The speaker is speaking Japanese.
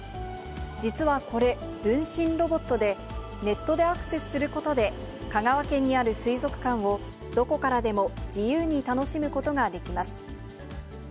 実はこれ、分身ロボットで、ネットでアクセスすることで、香川県にある水族館を、どこからでも自由に楽しむことができます。